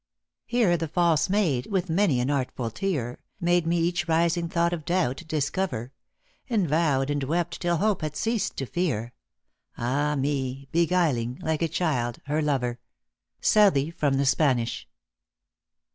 *" Here the false maid, with many an artful tear, Made me each rising thought of doubt discover ; And vowed and wept till hope had ceased to fear Ah me I beguiling, like a child, her lover." SOUTIIEY, from the Spanish.